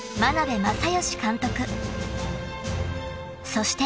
［そして］